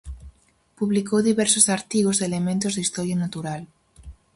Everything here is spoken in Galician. Publicou diversos artigos e Elementos de Historia Natural.